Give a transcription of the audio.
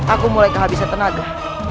aku mulai kehabisan tenaga